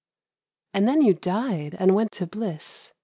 And then you died and went to bliss.